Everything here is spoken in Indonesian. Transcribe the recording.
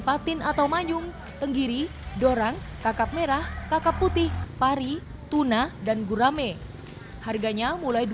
patin atau manyung tenggiri dorang kakap merah kakap putih pari tuna dan gurame harganya mulai